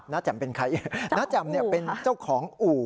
แจ่มเป็นใครน้าแจ่มเป็นเจ้าของอู่